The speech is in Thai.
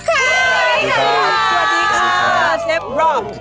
สวัสดีค่ะเซฟรอบ